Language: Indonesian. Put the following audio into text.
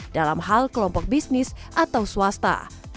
dalam hal kelompok bisnis atau swasta